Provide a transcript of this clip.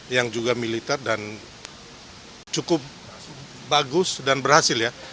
yang juga militer dan cukup bagus dan berhasil ya